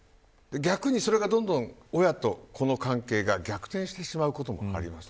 逆にそれがどんどん親と子の関係が逆転しまうこともあります。